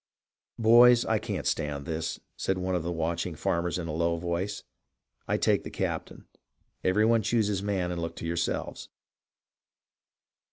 " Boys, I can't stand this," said one of the watching farmers in a low voice. " I take the captain. Every one choose his man and look to yourselves."